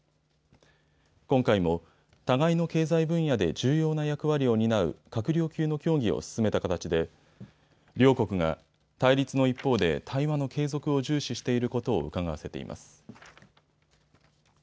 今回も互いの経済分野で重要な役割を担う閣僚級の協議を進めた形で両国が対立の一方で対話の継続を重視していることをうかがわせています。